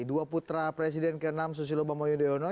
dua putra presiden ke enam susilo bambang yudhoyono